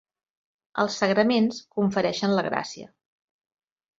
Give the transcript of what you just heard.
Els sagraments confereixen la gràcia.